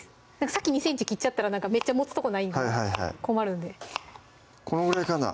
先２ｃｍ切っちゃったらなんかめっちゃ持つとこないんで困るんでこのぐらいかな？